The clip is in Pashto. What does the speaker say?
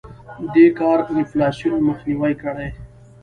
دې کار انفلاسیون مخنیوی کړی.